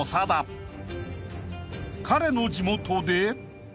［彼の地元で］